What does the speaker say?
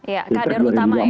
ya kehadiran utama ya